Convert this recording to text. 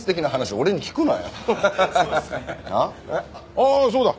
ああそうだ。